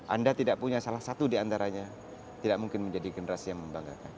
anda tidak punya salah satu diantaranya tidak mungkin menjadi generasi yang membanggakan